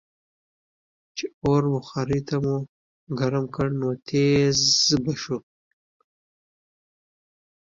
چې اور بخارۍ ته مو ګرم کړ نو ټیزززز به شو.